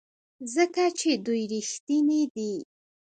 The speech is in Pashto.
ځکه چې دوی ریښتیني دي.